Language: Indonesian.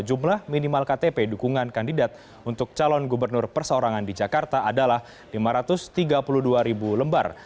jumlah minimal ktp dukungan kandidat untuk calon gubernur perseorangan di jakarta adalah lima ratus tiga puluh dua ribu lembar